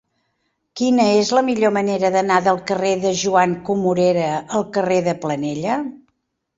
Quina és la millor manera d'anar del carrer de Joan Comorera al carrer de Planella?